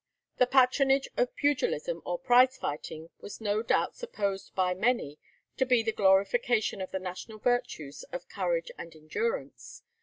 The patronage of pugilism or prize fighting was no doubt supposed by many to be the glorification of the national virtues of courage and endurance.